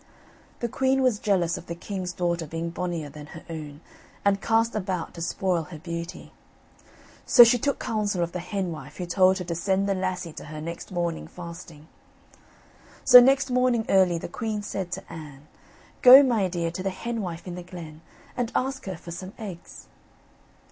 The queen was jealous of the king's daughter being bonnier than her own, and cast about to spoil her beauty. So she took counsel of the henwife, who told her to send the lassie to her next morning fasting. So next morning early, the queen said to Anne, "Go, my dear, to the henwife in the glen, and ask her for some eggs."